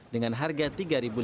dengan harga rp tiga lima ratus